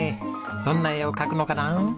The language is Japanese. どんな絵を描くのかな？